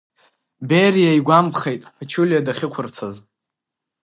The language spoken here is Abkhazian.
Бериа игәамԥхеит, Ԥачулиа дахьықәырцаз…